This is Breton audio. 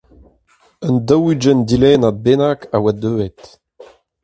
Un daou-ugent dilennad bennak a oa deuet.